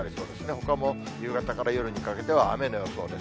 ほかも夕方から夜にかけては雨の予想です。